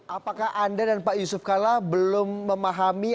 apakah anda dan pak yusuf kalla belum memahami